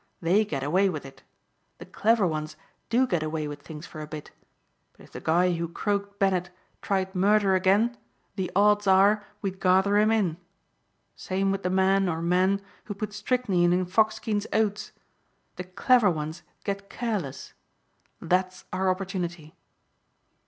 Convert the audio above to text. They get away with it. The clever ones do get away with things for a bit. But if the guy who croaked Bennet tried murder again the odds are we'd gather him in. Same with the man or men who put strychnine in Foxkeen's oats. The clever ones get careless. That's our opportunity."